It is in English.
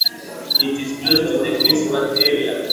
It is close to the Queen's Park area.